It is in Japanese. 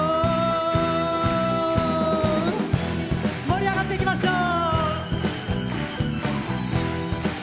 盛り上がっていきましょう。